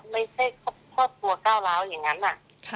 ไม่ใช่ครอบครัวกราวเหล้าอย่างงั้นนะ